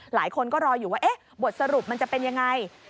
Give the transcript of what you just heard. หลายคนก็รออยู่ว่าบทสรุปมันจะเป็นยังไง